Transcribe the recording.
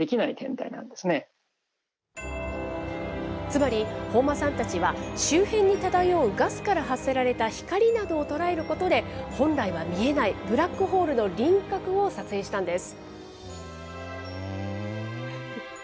つまり本間さんたちは、周辺に漂うガスから発せられた光などを捉えることで、本来は見えないブラックホールの輪郭を撮影したんです。